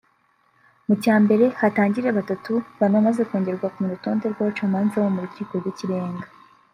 mu cya mbere hatangire batatu banamaze kongerwa mu rutonde rw’abacamanza bo mu rukiko rw’ikirenga